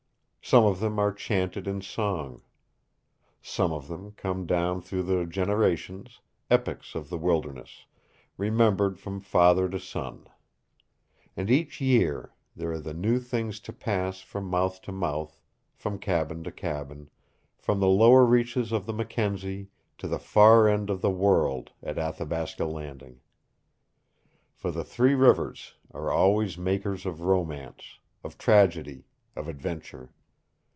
Some of them are chanted in song. Some of them come down through the generations, epics of the wilderness, remembered from father to son. And each year there are the new things to pass from mouth to mouth, from cabin to cabin, from the lower reaches of the Mackenzie to the far end of the world at Athabasca Landing. For the three rivers are always makers of romance, of tragedy, of adventure.